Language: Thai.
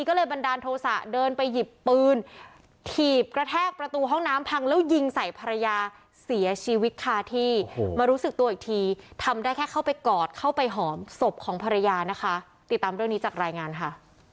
ขึ้นถีบกระแทกประตูห้องน้ำพังแล้วยิงใส่ภรรยาเสียชีวิตค่ะที่มารู้สึกตัวอีกทีทำได้แค่เข้าไปกอดเข้าไปหอมศพของภรรยานะคะติดตามเรื่องนี้จากรายงานค่ะ